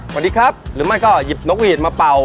สวัสดีครับหรือไม่ก็หยิบนกหวีดมาเป่า